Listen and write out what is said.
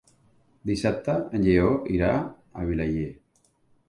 Dissabte en Lleó irà a Vilaller.